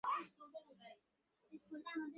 তাই দোষ যখন ঘাড়ে নিতেই হবে, দোষ করে নিলেই ভালো হয় না?